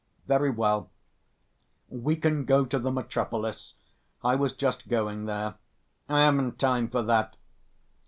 "Very well, we can go to the 'Metropolis.' I was just going there." "I haven't time for that.